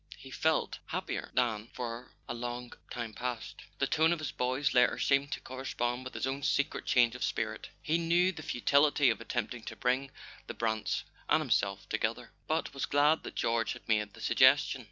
He felt hap¬ pier than for a long time past: the tone of his boy's letter seemed to correspond with his own secret change of spirit. He knew the futility of attempting to bring the Brants and himself together, but was glad that George had made the suggestion.